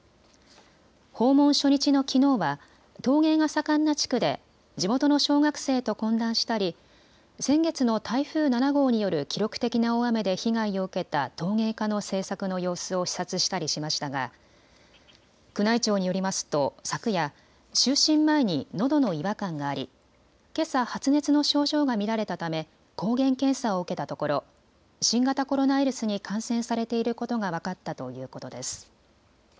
訪問初日のきのうは陶芸が盛んな地区で地元の小学生と懇談したり先月の台風７号による記録的な大雨で被害を受けた陶芸家の制作の様子を視察したりしましたが宮内庁によりますと昨夜、就寝前にのどの違和感がありけさ発熱の症状が見られたため抗原検査を受けたところ新型コロナウイルスに感染されていることが分かったということです。